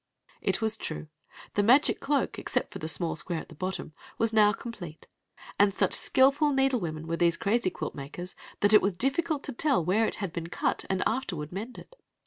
It was true — the magic cloak, except for a small square at the bottom, was now complete; and such skilful needlewomen were these crazy quilt makers that it was difficult to tell where k had been oit auid afterward mended.